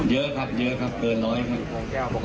เยอะครับเยอะครับเกินร้อยครับ